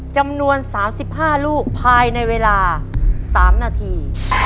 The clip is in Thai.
จำนวน๓๕ลูกภายในเวลา๓นาที